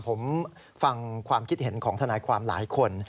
ผมฟังความคิดเห็นของทนายความหลายคน